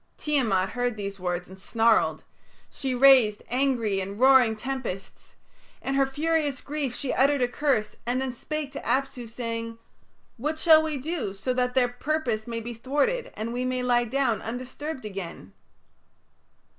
Tiamat heard these words and snarled. She raised angry and roaring tempests; in her furious grief she uttered a curse, and then spake to Apsu, saying, "What shall we do so that their purpose may be thwarted and we may lie down undisturbed again?"